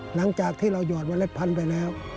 หลังจากที่เรายนวลรัชพรรณไปแล้ว